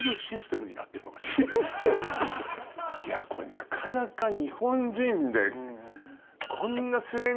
なかなか日本人で。